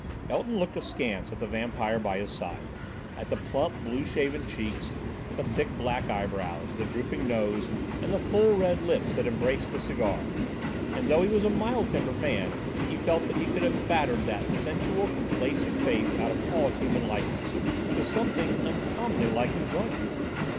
Elton looked askance at the vampire by his side; at the plump blue shaven cheeks, the thick black eyebrows, the drooping nose, and the full, red lips that embraced the cigar, and though he was a mild tempered man he felt that he could have battered that sensual, complacent face out of all human likeness, with something uncommonly like enjoyment.